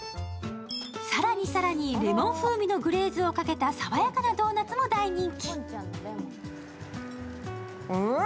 更に更にレモン風味のグレーズをかけたさわやかなドーナツも大人気。